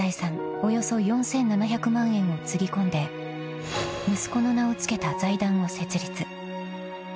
およそ４，７００万円をつぎ込んで息子の名を付けた財団を設立］